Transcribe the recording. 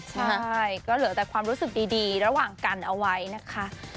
ใช่ก็เหลือแต่ความรู้สึกดีระหว่างกันเอาไว้นะคะ